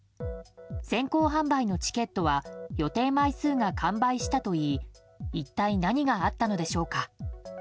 先行販売のチケットは予定枚数が完売したといい一体何があったのでしょうか。